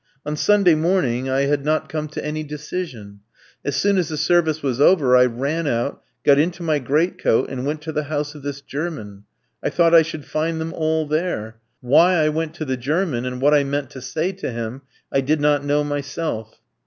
On Sunday morning I had not come to any decision. As soon as the service was over I ran out, got into my great coat, and went to the house of this German. I thought I should find them all there. Why I went to the German, and what I meant to say to him, I did not know myself.